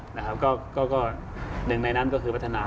หนึ่งในนั้นก็คือวัฒนา